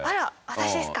私ですか？